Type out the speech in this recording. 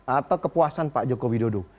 atau kepuasan pak jokowi dodo